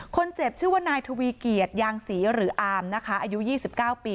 คนเจ็บชื่อว่านายทวีเกียจยางศรีหรืออามนะคะอายุ๒๙ปี